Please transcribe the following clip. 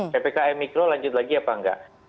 ppkm mikro lanjut lagi apa enggak